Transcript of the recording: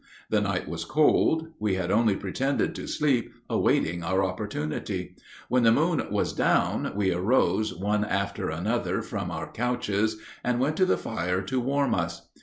The night was cold. We had only pretended to sleep, awaiting our opportunity. When the moon was down we arose, one after another, from our couches, and went to the fire to warm us.